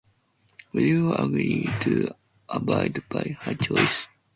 Will you agree to abide by her choice?